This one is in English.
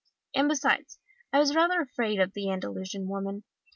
And besides, I was rather afraid of the Andalusian women.